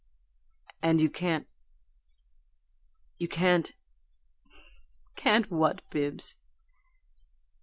"And you can't you can't " "Can't what, Bibbs?"